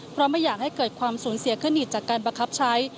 เพราะไม่อยากให้เกิดความสูญเสียขึ้นอีกจากการบังคับใช้